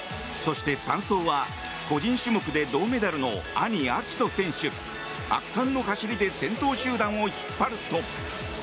そして３走は個人種目で銅メダルの兄・暁斗選手圧巻の走りで先頭集団を引っ張ると。